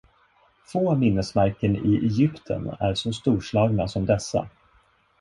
Få minnesmärken i Egypten är så storslagna som dessa.